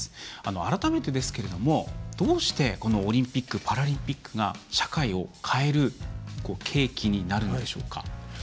改めて、どうしてオリンピック・パラリンピックが社会を変える契機になるんでしょうか？